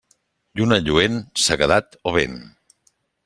Lluna lluent, sequedat o vent.